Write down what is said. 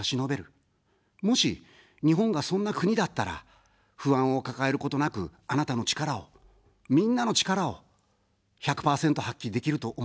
もし、日本がそんな国だったら、不安を抱えることなく、あなたの力を、みんなの力を１００％発揮できると思いませんか。